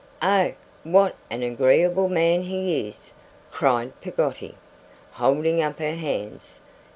'Oh, what an agreeable man he is!' cried Peggotty, holding up her hands.